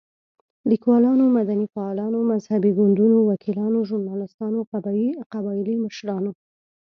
ليکوالانو، مدني فعالانو، مذهبي ګوندونو، وکيلانو، ژورناليستانو، قبايلي مشرانو